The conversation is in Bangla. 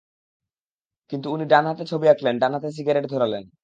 কিন্তু ইনি ডানহাতে ছবি আঁকলেন, ডানহাতে সিগারেট ধরালেন।